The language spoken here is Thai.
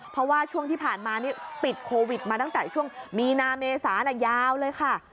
เพราะว่าช่วงที่ผ่านมานี่ติดโควิดมาตั้งแต่ช่วงมีนาเมษายาวเลยค่ะ